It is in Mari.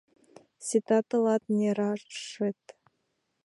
Сита тылат нерашет